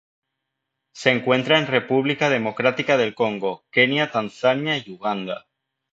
Se encuentra en República Democrática del Congo, Kenia, Tanzania, y Uganda.